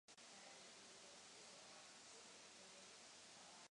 Dovolte mi však upozornit na jinou skutečnost.